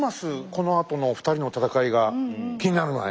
このあとの２人の戦いが気になるね。